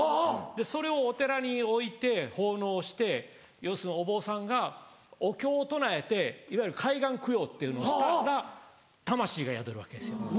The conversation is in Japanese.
でそれをお寺に置いて奉納して要するにお坊さんがお経を唱えていわゆる開眼供養っていうのをしたら魂が宿るわけですよ。